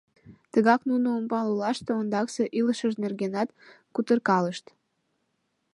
Тыгак нуно умбал олаште ондаксе илышыж нергенат кутыркалышт.